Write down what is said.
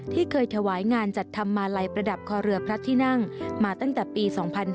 ที่เคยถวายงานจัดทำมาลัยประดับคอเรือพระที่นั่งมาตั้งแต่ปี๒๕๕๙